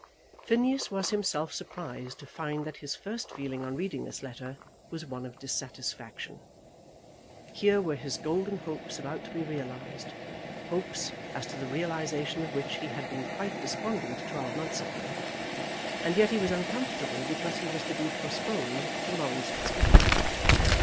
Phineas was himself surprised to find that his first feeling on reading this letter was one of dissatisfaction. Here were his golden hopes about to be realised, hopes as to the realisation of which he had been quite despondent twelve months ago, and yet he was uncomfortable because he was to be postponed to Laurence Fitzgibbon.